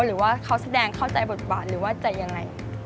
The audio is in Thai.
หรือว่าเขาแสดงเข้าใจบทบาทหรือว่าจะยังไง